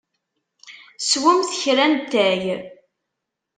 Swemt kra n ttay.